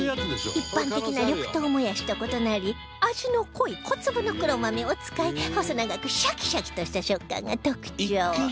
一般的な緑豆もやしと異なり味の濃い小粒の黒豆を使い細長くシャキシャキとした食感が特徴